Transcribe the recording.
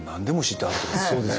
そうです。